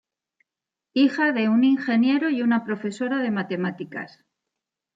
Hija de un ingeniero y una profesora de matemáticas.